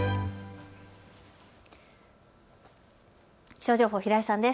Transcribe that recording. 気象情報、平井さんです。